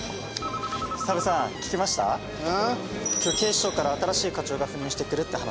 今日警視庁から新しい課長が赴任してくるって話。